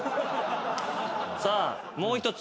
さあもう一つ。